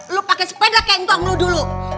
lu pake sepeda kaya nggong lu dulu